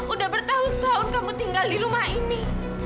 udah bertahun tahun kamu tinggal di rumah ini